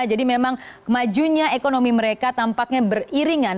jadi memang kemajunya ekonomi mereka tampaknya beriringan